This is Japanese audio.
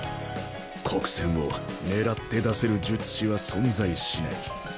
「黒閃」を狙って出せる術師は存在しない。